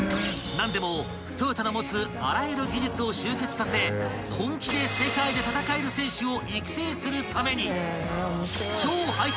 ［何でもトヨタの持つあらゆる技術を集結させ本気で世界で戦える選手を育成するために］